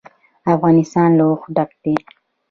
افغانستان له اوښ ډک دی.